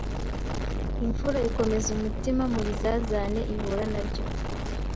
Imfura ikomeza umutima mu bizazane ihura na byo.